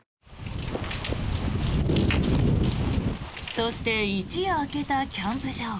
そして一夜明けたキャンプ場。